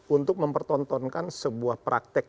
untuk mempertontonkan sebuah praktek